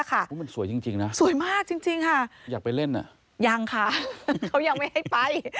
มันสวยจริงนะอยากไปเล่นอ่ะสวยมากจริงค่ะยังค่ะเขายังไม่ให้ไป